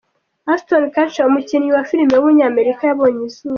Ashton Kutcher, umukinnyi wa filime w’umunyamerika yabonye izuba.